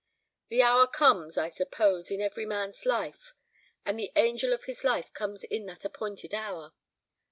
The hour comes, I suppose, in every man's life; and the angel of his life comes in that appointed hour.